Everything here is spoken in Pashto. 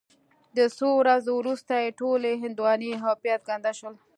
د څو ورځو وروسته یې ټولې هندواڼې او پیاز ګنده شول.